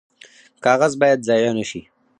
کاغذ باید ضایع نشي